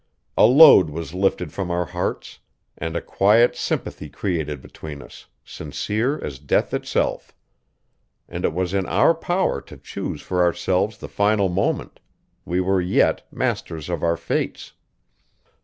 A load was lifted from our hearts, and a quiet sympathy created between us, sincere as death itself. And it was in our power to choose for ourselves the final moment we were yet masters of our fates.